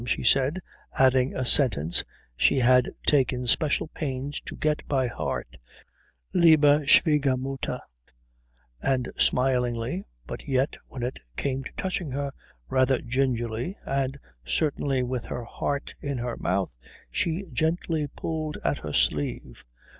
she said, adding a sentence she had taken special pains to get by heart, "liebe Schwiegermutter?" And smilingly, but yet, when it came to touching her, rather gingerly, and certainly with her heart in her mouth, she gently pulled at her sleeve.